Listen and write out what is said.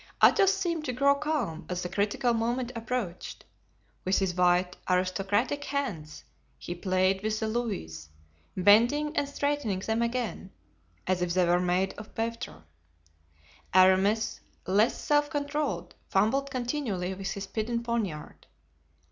Athos seemed to grow calm as the critical moment approached. With his white, aristocratic hands he played with the louis, bending and straightening them again, as if they were made of pewter. Aramis, less self controlled, fumbled continually with his hidden poniard.